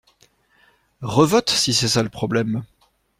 Revote si c’est ça le problème.